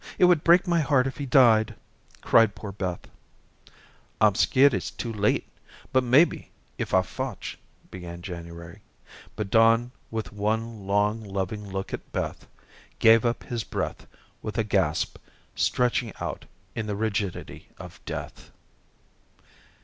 It would break my heart if he died," cried poor Beth. "I'm skeered it's too late, but mebbe, if I fotch," began January. But Don, with one long, loving look at Beth, gave up his breath with a gasp, stretching out in the rigidity of death.